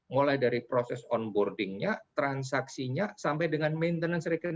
mulai dari proses onboardingnya transaksinya sampai dengan maintenance re connection sentiwism all